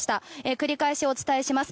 繰り返しお伝えします。